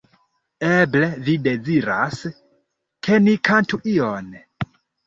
Eble vi deziras, ke ni kantu ion?